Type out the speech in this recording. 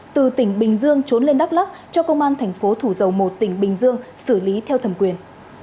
từ tỉnh bình dương trốn lên đắk lắc cho công an thành phố thủ dầu một tỉnh bình dương xử lý theo thẩm quyền